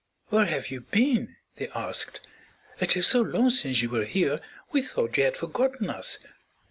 "Where have you been?" they asked. "It is so long since you were here we thought you had forgotten us."